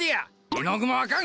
絵の具もあかん！